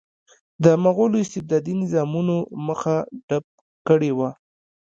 د مغولو استبدادي نظامونو مخه ډپ کړې وه.